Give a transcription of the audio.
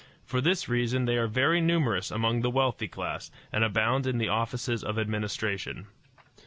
For this reason they are very numerous among the wealthy class, and abound in the offices of administration.